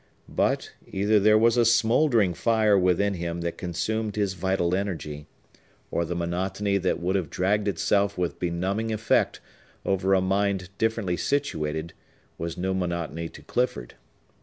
But, either there was a smouldering fire within him that consumed his vital energy, or the monotony that would have dragged itself with benumbing effect over a mind differently situated was no monotony to Clifford.